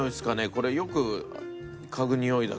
これよく嗅ぐにおいだけど。